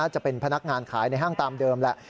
จะเป็นพนักงานขายในห้างตามเดิมแหละ